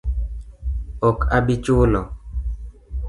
Ok abi chulo